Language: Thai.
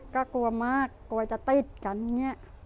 ก็กลัวมากกลัวจะติดกันเนี่ย